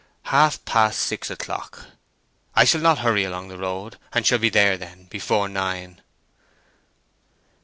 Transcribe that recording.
"Half past six o'clock. I shall not hurry along the road, and shall be there then before nine."